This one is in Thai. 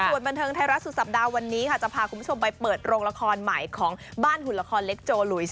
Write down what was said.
ส่วนบันเทิงไทยรัฐสุดสัปดาห์วันนี้ค่ะจะพาคุณผู้ชมไปเปิดโรงละครใหม่ของบ้านหุ่นละครเล็กโจลุย